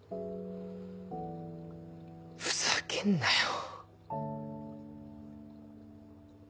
ふざけんなよ。